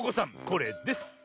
これです。